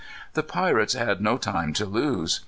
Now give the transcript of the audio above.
The pirates had no time to lose.